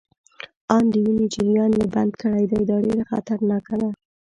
آن د وینې جریان يې بند کړی دی، دا ډیره خطرناکه ده.